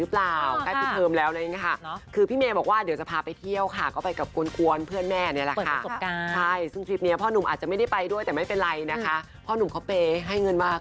บางทีเดี๋ยวนี้มันจะมีการตัดช็อตมา